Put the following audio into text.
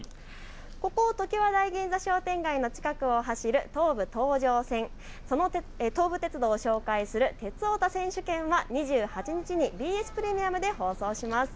ここ常盤台銀座商店街を走る東武東上線、その東武鉄道を紹介する鉄オタ選手権は２８日にＢＳプレミアムで放送します。